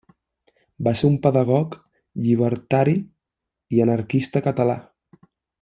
Va ser un pedagog llibertari i anarquista català.